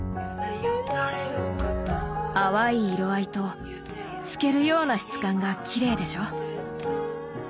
淡い色合いと透けるような質感がきれいでしょ？